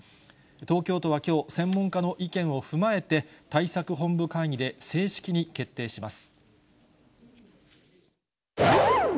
東京都はきょう、専門家の意見を踏まえて、対策本部会議で正式に決定します。